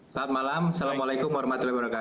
selamat malam assalamualaikum wr wb